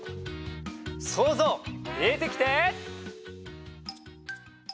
そうぞうでてきて！